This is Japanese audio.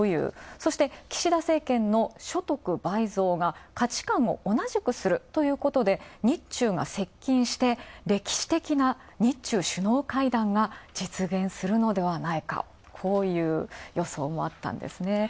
そして岸田政権の所得倍増が、価値観を同じくするということで、日中が接近して歴史的な日中首脳会談が実現するのではないか、こういう予想もあったんですね。